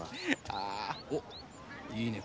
あっいいね。